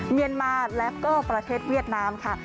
เมียนมาและก็ประเทศเวียดนามค่ะ